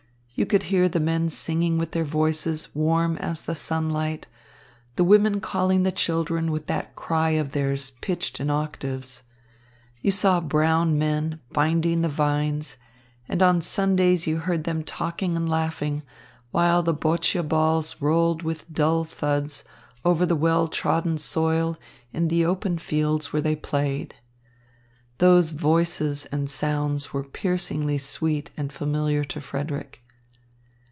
You could hear the men singing with their voices warm as the sunlight, the women calling the children with that cry of theirs pitched in octaves. You saw brown men binding the vines, and on Sundays you heard them talking and laughing, while the boccia balls rolled with dull thuds over the well trodden soil in the open fields where they played. Those voices and sounds were piercingly sweet and familiar to Frederick.